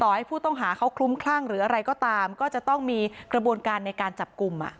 ให้ผู้ต้องหาเขาคลุ้มคลั่งหรืออะไรก็ตามก็จะต้องมีกระบวนการในการจับกลุ่ม